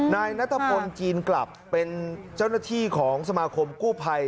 นายนัทพลจีนกลับเป็นเจ้าหน้าที่ของสมาคมกู้ภัย